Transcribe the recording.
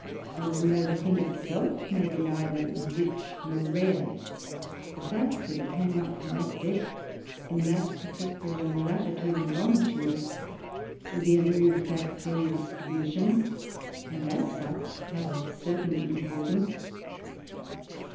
Even though the thing itself may be neither "rich nor rare," the fact that it came from that depth, in that particular latitude and longitude, will be a new fact in distribution, and, as such, have a certain importance.